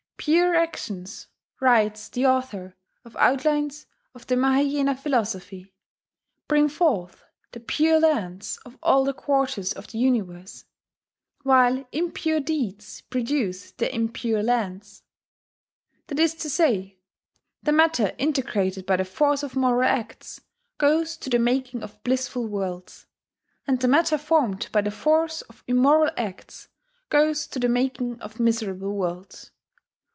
"Pure actions," writes the author of Outlines of the Maheyena Philosophy, "bring forth the Pure Lands of all the quarters of the universe; while impure deeds produce the Impure Lands." That is to say, the matter integrated by the force of moral acts goes to the making of blissful worlds; and the matter formed by the force of immoral acts goes to the making of miserable worlds.